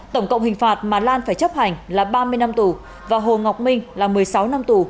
tổng cộng hình phạt mà lan phải chấp hành là ba mươi năm tù và hồ ngọc minh là một mươi sáu năm tù